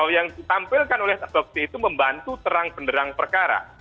yang ditampilkan oleh bakti itu membantu terang benderang perkara